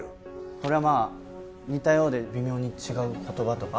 それはまあ似たようで微妙に違う言葉とか？